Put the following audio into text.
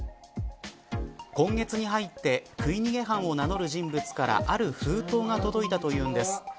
今月に入って食い逃げ犯を名乗る人物からある封筒が届いたというんです。